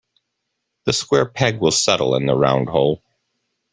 The square peg will settle in the round hole.